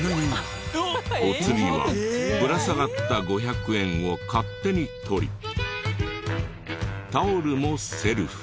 お釣りはぶら下がった５００円を勝手に取りタオルもセルフ。